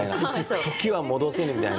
「時は戻せぬ」みたいな。